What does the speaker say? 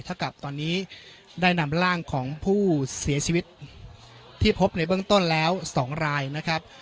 ถ้ากับตอนนี้ได้นำร่างของผู้เสียชีวิตที่พบในเบื้องต้นแล้ว๒รายนะครับ